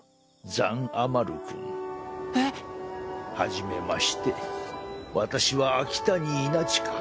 ザン＝アマル君えっ？はじめまして私は秋谷稲近。